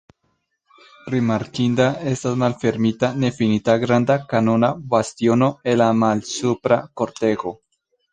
Rimarkinda estas malfermita nefinita granda kanona bastiono en la malsupra kortego.